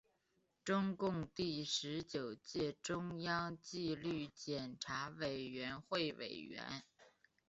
中共第十九届中央纪律检查委员会委员。